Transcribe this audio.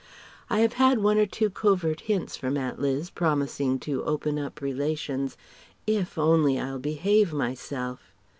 I have had one or two covert hints from Aunt Liz promising to open up relations if only I'll behave myself!